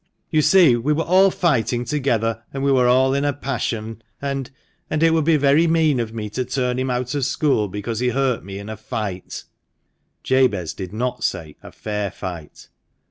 You see, we were all fighting together, and we were all in a passion, and — and — it would be very mean of me to turn him out of school because he hurt me in a fight" (Jabez did not say a fair fight).